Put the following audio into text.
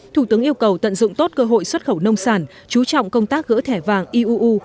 thủ tướng yêu cầu tận dụng tốt cơ hội xuất khẩu nông sản chú trọng công tác gỡ thẻ vàng iuu